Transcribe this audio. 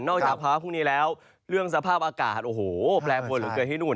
จากฟ้าพรุ่งนี้แล้วเรื่องสภาพอากาศโอ้โหแปรปวนเหลือเกินที่นู่น